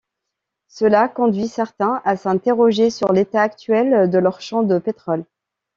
Cela a conduit certains à s'interroger sur l'état actuel de leurs champs de pétrole.